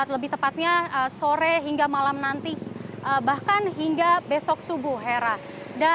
lebih tepatnya sore hingga malam nanti bahkan hingga besok subuh hera